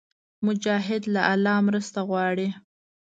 مجاهد له الله مرسته غواړي.